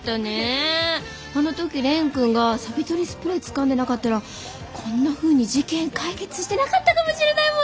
あの時蓮くんがサビ取りスプレーつかんでなかったらこんなふうに事件解決してなかったかもしれないもんね！